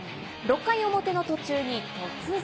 ６回表の途中に、突然。